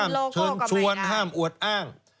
เชิญชวนห้ามอวดอ้าง